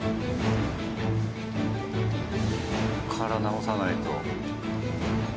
ここから直さないと。